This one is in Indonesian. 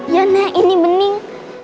ya nek ini bening